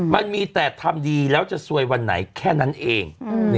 มันมีแต่ทำดีแล้วจะซวยวันไหนแค่นั้นเอง